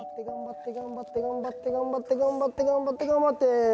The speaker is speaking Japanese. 頑張って頑張って頑張って頑張って頑張って頑張って。